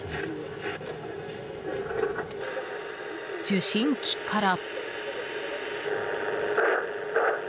受信機から。